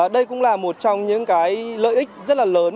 đây cũng là một trong những cái lợi ích rất là lớn